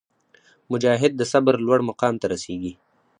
مجاهد د صبر لوړ مقام ته رسېږي.